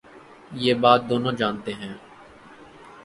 یہ بات دونوں جا نتے ہیں۔